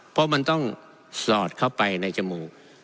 เพราะมันต้องสอดเข้าไปในจมูก